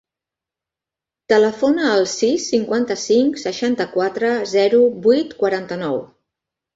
Telefona al sis, cinquanta-cinc, seixanta-quatre, zero, vuit, quaranta-nou.